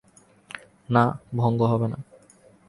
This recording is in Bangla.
না, ভঙ্গ হবে না।